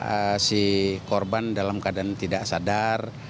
apakah si korban dalam keadaan tidak sadar